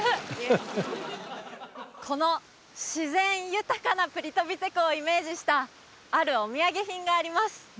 この自然豊かなプリトヴィツェ湖をイメージしたあるお土産品があります